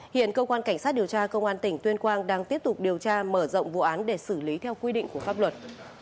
hiện cơ quan cảnh sát điều tra công an tỉnh tuyên quang đang tiếp tục điều tra mở rộng vụ án để xử lý theo quy định của pháp luật